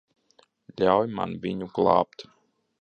Ļauj man viņu glābt.